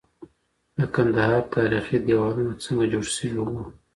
د کندهار تاریخي دېوالونه څنګه جوړ سوي وو؟